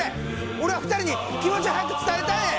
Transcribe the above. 俺は２人に気持ちを早く伝えたいねん！